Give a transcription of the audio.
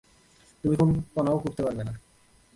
তুমি কল্পনাও করতে পারবে না।